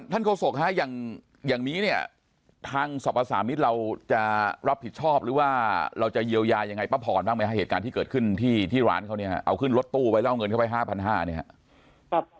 โฆษกฮะอย่างนี้เนี่ยทางสรรพสามิตรเราจะรับผิดชอบหรือว่าเราจะเยียวยายังไงป้าพรบ้างไหมฮะเหตุการณ์ที่เกิดขึ้นที่ร้านเขาเนี่ยเอาขึ้นรถตู้ไว้แล้วเอาเงินเข้าไป๕๕๐๐เนี่ยครับ